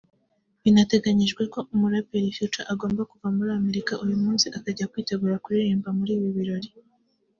binateganyijwe ko umuraperi Future agomba kuva muri Amerika uyu munsi akajya kwitegura kuririmba muri ibi birori